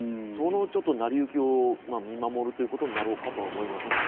そのなりゆきを見守るということになろうかと思います。